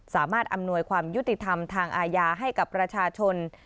อำนวยความยุติธรรมทางอาญาให้กับประชาชน